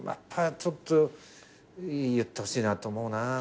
ちょっと言ってほしいなと思うな。